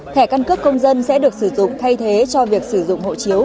thẻ căn cước công dân sẽ được sử dụng thay thế cho việc sử dụng hộ chiếu